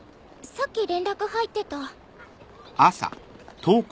さっき連絡入ってた。